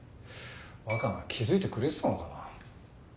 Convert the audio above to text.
若菜気付いてくれてたのかな？